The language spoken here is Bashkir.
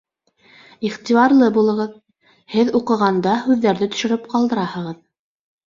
Иғтибарлы булығыҙ, һеҙ уҡығанда һүҙҙәрҙе төшөрөп ҡалдыраһығыҙ